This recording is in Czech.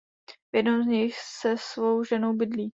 V jednom z nich se svou ženou bydlí.